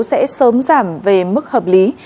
sẽ sớm giảm về mức hợp lý